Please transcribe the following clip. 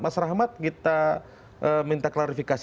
mas rahmat kita minta klarifikasi